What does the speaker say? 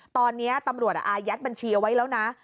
ตอนนี้ตำรวจอายัดบัญชีเอาไว้แล้วนะ